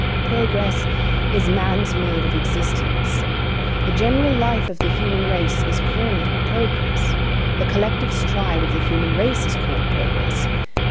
Progress is man's mode of existence. The general life of the human race is called Progress, the collective stride of the human race is called Progress.